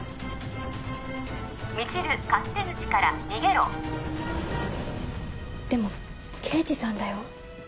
未知留勝手口から逃げろでも刑事さんだよ？